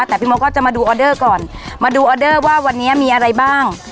แต่พี่มดก็จะมาดูออเดอร์ก่อนมาดูออเดอร์ว่าวันนี้มีอะไรบ้าง